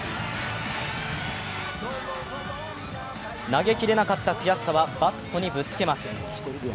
投げきれなかった悔しさはバットにぶつけます。